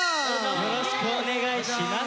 よろしくお願いします。